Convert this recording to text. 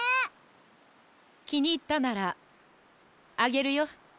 きにいったならあげるよ。